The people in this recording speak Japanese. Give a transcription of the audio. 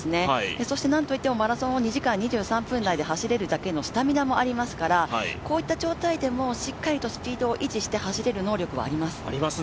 そして何といってもマラソンを２時間３３分台で走れるだけのスタミナもありますから、こういった状態でもしっかりスピードを維持して走れる能力はあります。